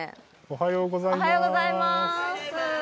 おはようございます。